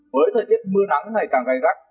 với thời tiết mưa nắng ngày càng gai rắc